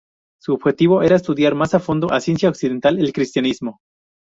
Su objetivo era estudiar más a fondo la ciencia occidental y el cristianismo.